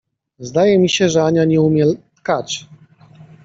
Zdaje mi się, że Ania nie umie tkać!